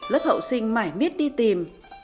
lớp hậu sinh mãi mít đi tìm